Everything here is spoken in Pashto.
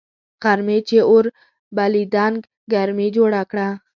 غرمې چي اور بلېدنگ ګرمي جوړه که